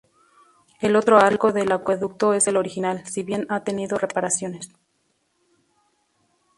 El otro arco del acueducto es el original, si bien ha tenido reparaciones.